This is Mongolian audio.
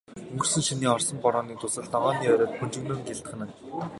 Өнгөрсөн шөнийн орсон борооны дусал ногооны оройд бөнжгөнөн гялтганана.